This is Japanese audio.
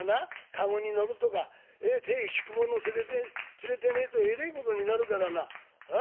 駕籠に乗るとか手引く者連れてねえとえれえことになるからなあ？」。